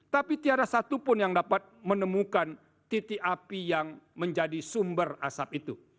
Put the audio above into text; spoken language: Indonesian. tapi tiada satu pun yang dapat menemukan titik api yang menjadi suhu